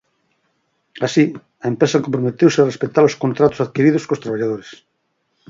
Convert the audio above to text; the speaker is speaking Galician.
Así, a empresa comprometeuse a respectar os contratos adquiridos cos traballadores.